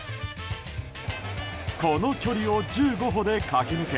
この距離を１５歩で駆け抜け